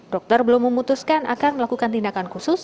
dokter belum memutuskan akan melakukan tindakan khusus